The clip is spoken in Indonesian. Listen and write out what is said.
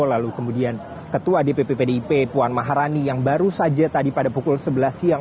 lalu kemudian ketua dpp pdip puan maharani yang baru saja tadi pada pukul sebelas siang